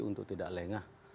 untuk tidak lengah